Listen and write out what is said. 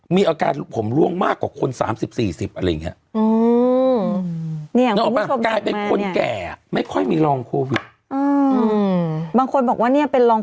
มีอาการผมร่วงมากกว่าคน๓๐๔๐อะไรอย่างนี้